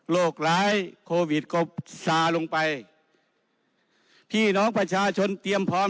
ร้ายโควิดก็ซาลงไปพี่น้องประชาชนเตรียมพร้อม